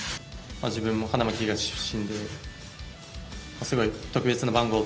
自分も花巻東出身で、すごい特別な番号。